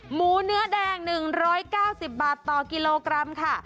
หมูเนื้อแดง๑๙๐บาทต่อกิโลกรัมค่ะ